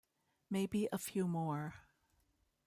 Maybe a few more.